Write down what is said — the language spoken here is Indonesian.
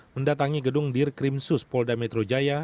mendatangi gedung dirkrim sus polda metro jaya